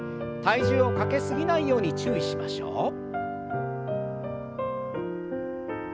体重をかけ過ぎないように注意しましょう。